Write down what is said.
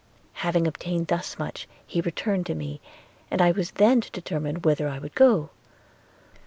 Having obtained thus much, he returned to me, and I was then to determine whither I would go.